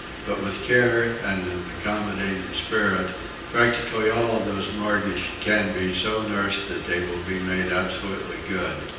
But with care and an accommodating spirit practically all of those mortgaged can be so nursed that they will be made absolutely good.